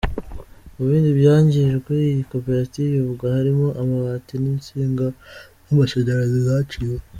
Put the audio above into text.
Mu bindi byangijwe iyi koperative ivuga, harimo amabati n’insinga z’amashanyarazi zaciwe.